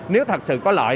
nếu thật sự có lợi